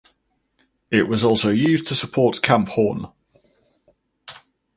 It was also used to support Camp Horn.